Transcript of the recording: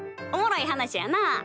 おもろい話やな。